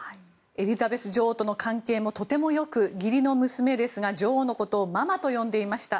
エリザベス女王との関係もよても良く義理の娘ですが、女王のことをママと呼んでいました。